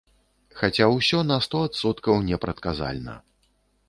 Хаця ўсё на сто адсоткаў непрадказальна.